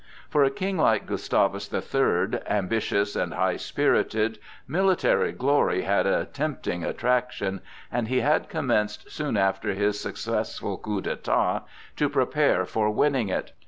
For a King like Gustavus the Third, ambitious and high spirited, military glory had a tempting attraction, and he had commenced soon after his successful coup d'état to prepare for winning it.